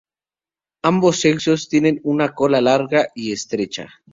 Ambos sexos tienen una cola larga y estrecha.